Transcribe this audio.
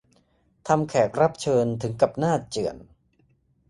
ทำแขกรับเชิญถึงกับหน้าเจื่อน